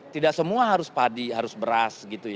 tidak semua harus padi harus beras